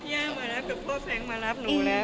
ย่ามารับพ่อแฟงก์มารับหนูแล้ว